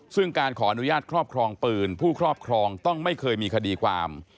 ซึ่งการขออนุญาตครอบครองปืนผู้ครอบครองต้องไม่เคยมีคดีความ